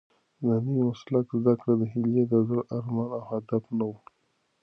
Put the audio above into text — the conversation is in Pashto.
د نوي مسلک زده کړه د هیلې د زړه ارمان او هدف نه و.